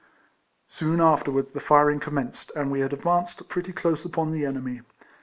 Soon afterwards the firing commenced, and we had advanced pretty close upon the enemy.